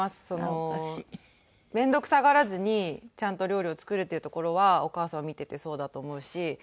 その面倒くさがらずにちゃんと料理を作るっていうところはお義母さんを見ててそうだと思うし。